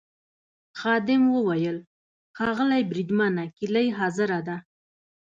خادم وویل: ښاغلی بریدمنه کیلۍ حاضره ده.